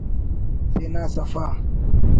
تینا سفا